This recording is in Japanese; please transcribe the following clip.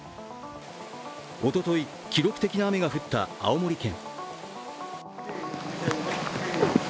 おととい、記録的な雨が降った青森県。